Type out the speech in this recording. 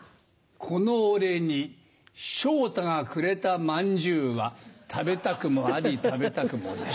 この俺に昇太がくれたまんじゅうは食べたくもあり食べたくもなし。